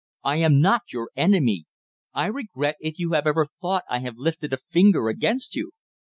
I am not your enemy. I regret if you have ever thought I have lifted a finger against you."